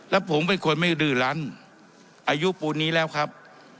แล้วผมเป็นคนไม่ดื้อรันอายุปูนนี้แล้วครับ